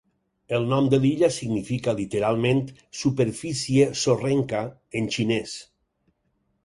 El nom de l'illa significa literalment "superfície sorrenca" en xinès.